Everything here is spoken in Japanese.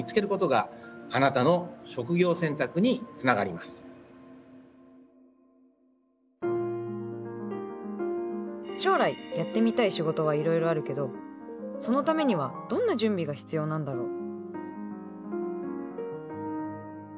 みなさんも例えば将来やってみたい仕事はいろいろあるけどそのためにはどんな準備が必要なんだろう？